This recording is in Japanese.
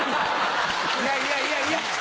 いやいやいやいや！